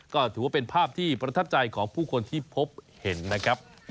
ก็ถือว่าเป็นภาพที่ประทับใจของผู้คนที่พบเห็นนะครับ